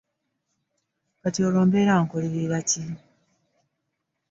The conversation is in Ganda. Kati olwo mbeera nkolerera ki?